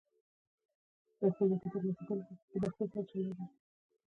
امیر ستاسو لمنې ته لاس اچولی دی.